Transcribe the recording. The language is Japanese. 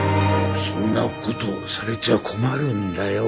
そんな事されちゃ困るんだよ。